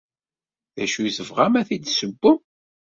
D acu ay tebɣam ad t-id-tessewwem?